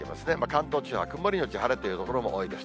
関東地方は曇り後晴れという所も多いです。